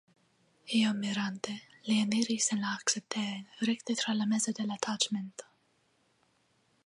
Iom mirante, li eniris en la akceptejon rekte tra la mezo de la taĉmento.